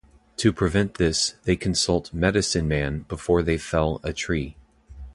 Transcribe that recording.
To prevent this, they consult medicine-man before they fell a tree.